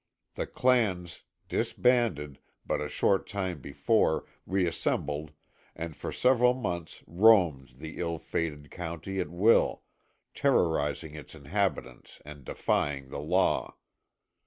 The clans, disbanded (?) but a short time before, reassembled and for several months roamed the ill fated county at will, terrorizing its inhabitants and defying the law.